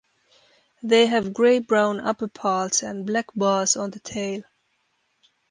They have grey-brown upperparts and black bars on the tail.